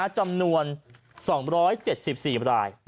จำนวน๒๗๔ราย